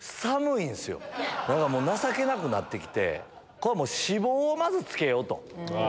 情けなくなって来て脂肪をまずつけようと。